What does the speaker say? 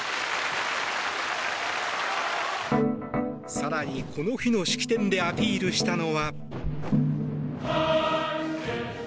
更に、この日の式典でアピールしたのは。